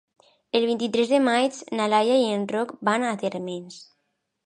El vint-i-tres de maig na Laia i en Roc van a Térmens.